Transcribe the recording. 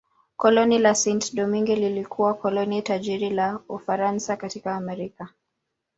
Koloni la Saint-Domingue lilikuwa koloni tajiri la Ufaransa katika Amerika.